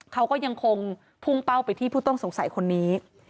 เขาก็ยังคงพุ่งเป้าไปที่ผู้ต้องสงสัยคนนี้